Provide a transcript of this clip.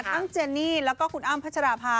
เจนี่แล้วก็คุณอ้ำพัชราภา